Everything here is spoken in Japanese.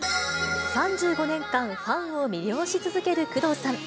３５年間、ファンを魅了し続ける工藤さん。